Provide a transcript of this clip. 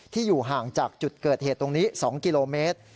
อยู่ห่างจากจุดเกิดเหตุตรงนี้๒กิโลเมตร